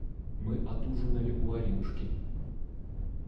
Мы отужинали у Аринушки.